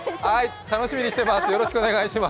楽しみにしてます。